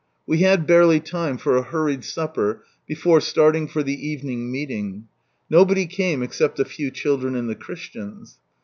We had barely time for a hurried supper before starting for the evening meet 94 From Sunrise Land ing. Nobody came except a few children and the Christians.